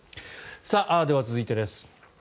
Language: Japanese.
では続いてです。